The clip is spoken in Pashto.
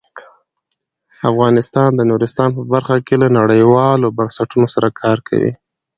افغانستان د نورستان په برخه کې له نړیوالو بنسټونو سره کار کوي.